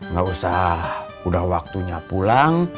nggak usah udah waktunya pulang